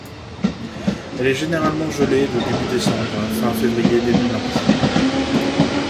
Elle est généralement gelée de début décembre à fin février - début mars.